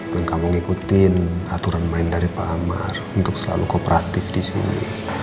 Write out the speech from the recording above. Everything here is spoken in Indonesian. dan kamu ngikutin aturan main dari pak amar untuk selalu kooperatif di sini